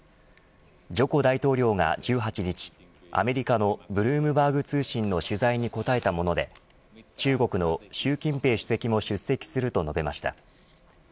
ジョコ大統領が１８日アメリカのブルームバーグ通信の取材に答えたもので中国の習近平主席も出席すると述べました。